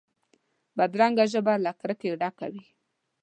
بدرنګه ژبه له کرکې ډکه وي